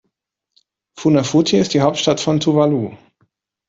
Funafuti ist die Hauptstadt von Tuvalu.